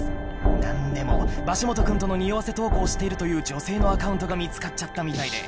なんでもバシモト君との匂わせ投稿をしているという女性のアカウントが見つかっちゃったみたいで。